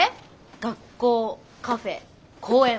学校カフェ公園。